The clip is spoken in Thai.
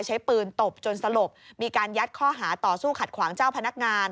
ใช้ปืนตบจนสลบมีการยัดข้อหาต่อสู้ขัดขวางเจ้าพนักงาน